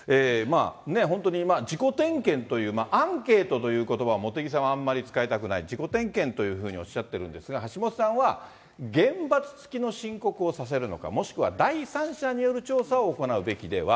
本当に自己点検という、アンケートということばを、茂木さんはあんまり使いたくない、自己点検というふうにおっしゃってるんですが、橋下さんは、厳罰付きの申告をさせるのか、もしくは第三者による調査を行うべきでは。